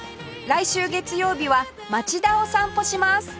来週月曜日は町田を散歩します